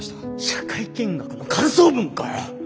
社会見学の感想文かよ！